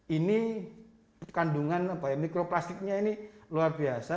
ini kandungan mikroplastiknya ini luar biasa